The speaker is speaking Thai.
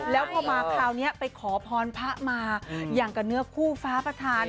แล้วพอมาคราวนี้ไปขอพรพระมาอย่างกับเนื้อคู่ฟ้าประธาน